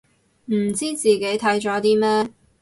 唔知自己睇咗啲咩